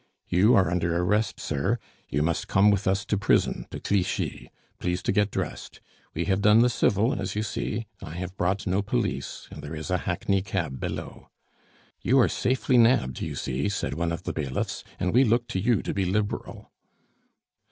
"You are under arrest, sir. You must come with us to prison to Clichy. Please to get dressed. We have done the civil, as you see; I have brought no police, and there is a hackney cab below." "You are safely nabbed, you see," said one of the bailiffs; "and we look to you to be liberal."